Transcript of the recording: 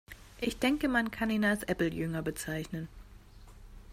Ich denke, man kann ihn als Apple-Jünger bezeichnen.